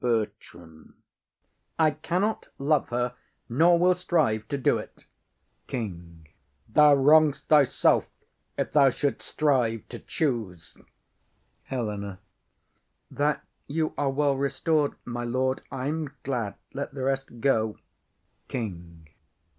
BERTRAM. I cannot love her, nor will strive to do 't. KING. Thou wrong'st thyself, if thou shouldst strive to choose. HELENA. That you are well restor'd, my lord, I am glad. Let the rest go. KING.